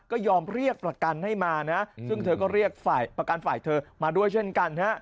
ก็ยอมเรียกประกันให้มานะซึ่งเธอก็เรียกฝ่ายประกันฝ่ายเธอมาด้วยเช่นกันฮะ